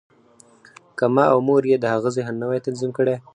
که ما او مور یې د هغه ذهن نه وای تنظیم کړی